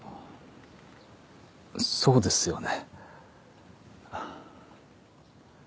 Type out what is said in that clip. そうですよね。